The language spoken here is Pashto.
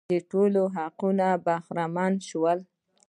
د ټولو حقونو برخمن شول.